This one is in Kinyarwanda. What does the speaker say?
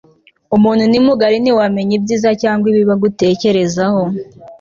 umuntu ni mugari ntiwamenya ibyiza cyangwa ibibi agutekerezaho